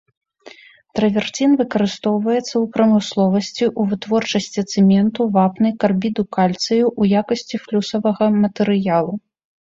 Траверцін выкарыстоўваецца ў прамысловасці ў вытворчасці цэменту, вапны, карбіду кальцыю, у якасці флюсавага матэрыялу.